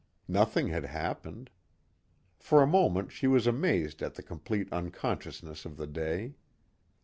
Nothing had happened. For a moment she was amazed at the complete unconsciousness of the day.